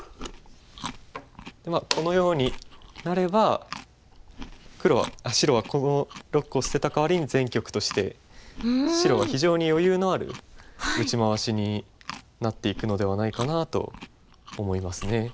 まあこのようになれば白はこの６個を捨てたかわりに全局として白は非常に余裕のある打ち回しになっていくのではないかなと思いますね。